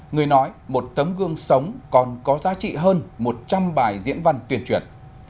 người nói một tấm gương sống còn có giá trị hơn một trăm linh bài diễn văn tuyên truyền